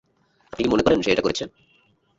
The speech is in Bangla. আপনি কি মনে করেন সে এটা করেছে?